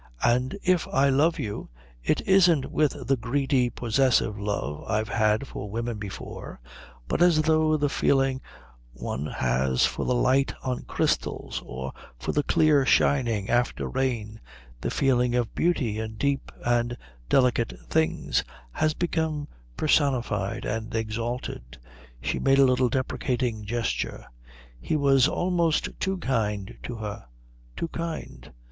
And if I love you it isn't with the greedy possessive love I've had for women before, but as though the feeling one has for the light on crystals or for clear shining after rain, the feeling of beauty in deep and delicate things, has become personified and exalted." She made a little deprecating gesture. He was almost too kind to her; too kind.